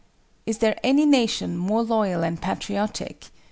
"Is there any nation more loyal and patriotic?"